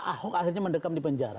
ahok akhirnya mendekam di penjara